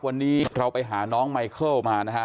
วันนี้เราไปหาน้องไมเคิลมานะฮะ